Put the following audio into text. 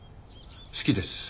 好きです。